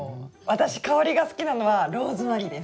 私香りが好きなのはローズマリーです。